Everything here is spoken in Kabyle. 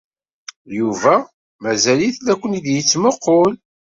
Yuba mazal-it la ken-id-yettmuqqul.